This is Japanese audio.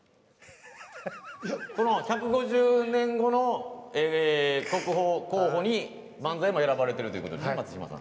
この「１５０年後の国宝候補」に漫才も選ばれているということで。